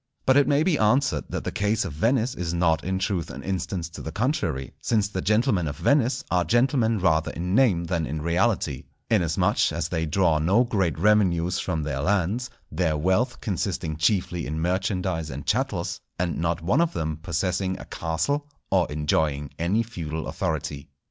But it may be answered that the case of Venice is not in truth an instance to the contrary; since the gentlemen of Venice are gentlemen rather in name than in reality, inasmuch as they draw no great revenues from lands, their wealth consisting chiefly in merchandise and chattels, and not one of them possessing a castle or enjoying any feudal authority.